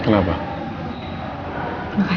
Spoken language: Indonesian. karena kamu dengerin aku ya